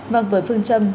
vâng với phương châm